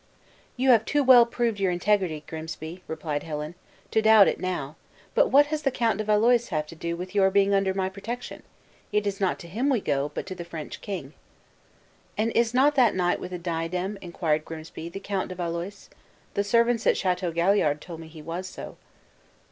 "You have too well proved your integrity, Grimsby," replied Helen, "to doubt it now; but what has the Count de Valois to do with your being under my protection? It is not to him we go, but to the French king." "And is not that knight with the diadem," inquired Grimsby, "the Count de Valois? The servants at Chateau Galliard told me he was so."